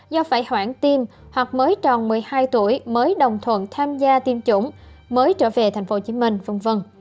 do phải hoãn tim hoặc mới tròn một mươi hai tuổi mới đồng thuận tham gia tiêm chủng mới trở về tp hcm v v